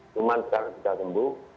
cuman sekarang sudah sembuh